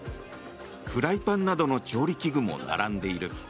フライパンなどの調理器具も並んでいる。